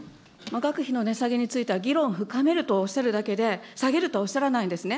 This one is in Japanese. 学費の値下げについては、議論深めるとおっしゃるだけで、下げるとはおっしゃらないんですね。